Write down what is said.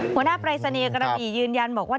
หัวหน้าปรายศนีย์กระบียืนยันบอกว่า